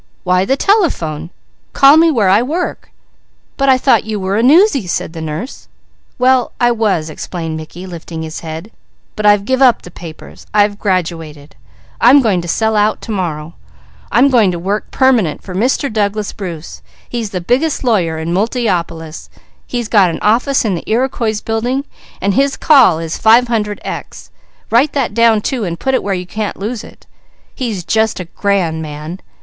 Why the telephone! Call me where I work!" "But I thought you were a 'newsy!'" said the nurse. "Well I was," explained Mickey lifting his head, "but I've give up the papers. I've graduated. I'm going to sell out tomorrow. I'm going to work permanent for Mr. Douglas Bruce. He's the biggest lawyer in Multiopolis. He's got an office in the Iriquois Building, and his call is 500 X. Write that down too and put it where you can't lose it. He's just a grand man.